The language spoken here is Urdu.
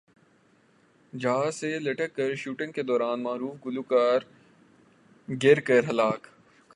جہاز سے لٹک کر شوٹنگ کے دوران معروف گلوکار گر کر ہلاک